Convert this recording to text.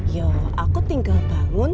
ya aku tinggal bangun